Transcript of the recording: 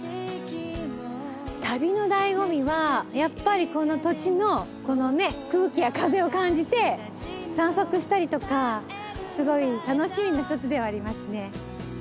旅の醍醐味はやっぱりこの土地のこのね空気や風を感じて散策したりとかすごい楽しみの１つではありますね。